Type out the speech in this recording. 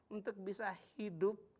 untuk bisa hidup